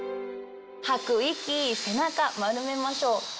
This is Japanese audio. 吐く息背中丸めましょう。